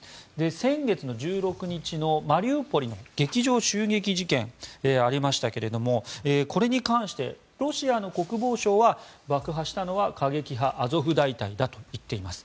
先月の１６日のマリウポリの劇場襲撃事件ありましたがこれに関して、ロシアの国防省は爆破したのは過激派アゾフ大隊だと言っています。